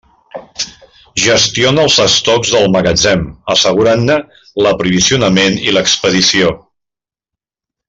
Gestiona els estocs del magatzem, assegurant-ne l'aprovisionament i l'expedició.